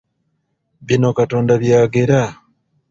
Bino Katonda by'agera!